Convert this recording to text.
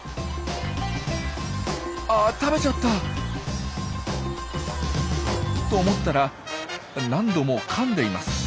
あっ食べちゃった！と思ったら何度もかんでいます。